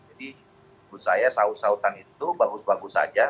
jadi menurut saya sautan sautan itu bagus bagus saja